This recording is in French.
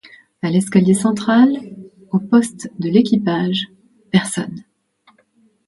À l’escalier central, au poste de l’équipage, personne.